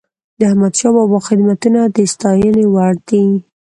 د احمدشاه بابا خدمتونه د ستايني وړ دي.